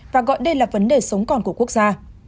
và gọi đây là vấn đề sống còn của quốc gia